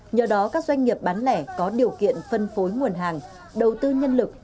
nhờ đó các doanh nghiệp bán lẻ có điều kiện phân phối nguồn hàng đầu tư nhân lực